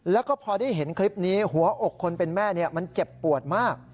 แล้วก็พอได้เห็นคลิปนี้หัวอกคนเป็นแม่มันเจ็บปวดมาก